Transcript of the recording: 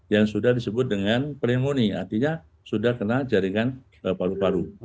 yang sudah disebut dengan pneumonia artinya sudah kena jaringan paru paru